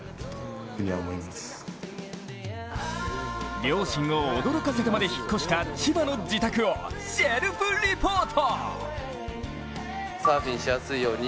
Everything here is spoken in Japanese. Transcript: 両親を驚かせてまで引っ越した千葉の自宅をセルフリポート。